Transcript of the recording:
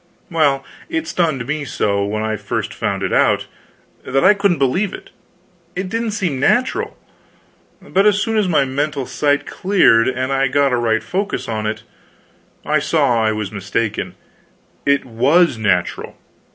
Well, it stunned me so, when I first found it out, that I couldn't believe it; it didn't seem natural. But as soon as my mental sight cleared and I got a right focus on it, I saw I was mistaken; it was natural.